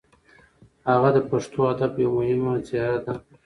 هغه د پښتو ادب یو مهم څېره وه.